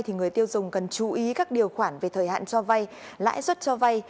thì người tiêu dùng cần chú ý các điều khoản về thời hạn cho vay lãi suất cho vay